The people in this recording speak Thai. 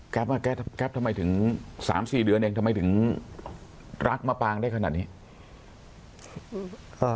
แก๊ปทำไมถึงสามสี่เดือนเองทำไมถึงรักมะปางได้ขนาดนี้